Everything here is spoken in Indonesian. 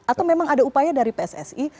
atau memang ada upaya dari pssi